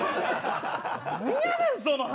何やねん、その話。